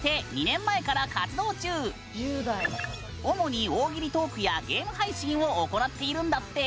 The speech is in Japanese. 主に大喜利トークやゲーム配信を行っているんだって。